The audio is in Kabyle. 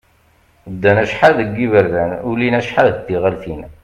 Ddan acḥal deg yiberdan, ulin acḥal d tiɣalin.